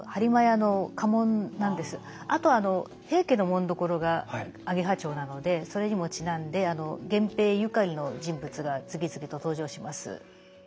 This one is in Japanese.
あと平家の紋所が揚羽蝶なのでそれにもちなんで源平ゆかりの人物が次々と登場します。